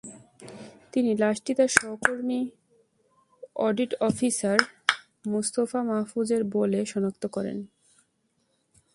তিনি লাশটি তাঁর সহকর্মী অডিট অফিসার মোস্তফা মাহফুজের বলে শনাক্ত করেন।